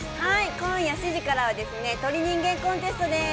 今夜７時からはですね、『鳥人間コンテスト』です。